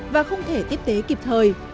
và không thể tiếp tế kịp thời